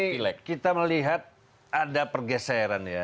sekarang ini kita melihat ada pergeseran ya